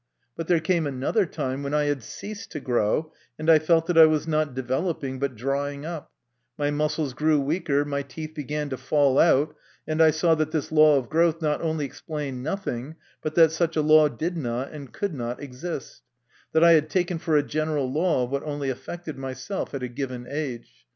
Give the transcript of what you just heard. But there came another time when I had ceased to grow, and I felt that I was not developing but drying up ; my muscles grew weaker, my teeth began to fall out, and I saw that this law of growth not only explained nothing but that such a law did not and could not exist ; that I had taken for a general law what only affected myself at a given age.